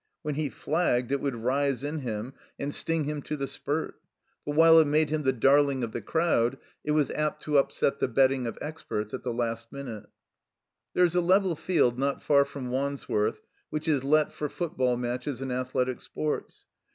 When he flagged it would rise in him and sting him to the 93 THE COMBINED MAZE spurt. But, while it made him the darling of the crowd, it was apt to upset the betting of experts at the last minute. There is a level field not far from Wandsworth which is let for football matches and athletic six>rts.